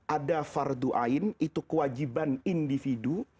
ada fardu ain itu kewajiban individu